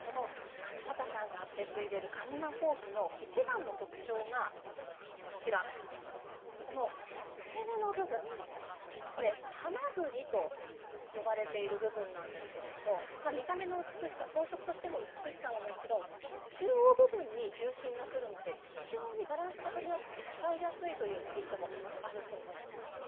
増形さんが受け継いでる鹿沼ほうきのいちばんの特徴が付け根の部分はまぐりと呼ばれている部分なんですけれど見た目の美しさ装飾としての美しさはもちろん中央部分に重心がくるので非常にバランスが取りやすくて使いやすいというメリットもあるそうです。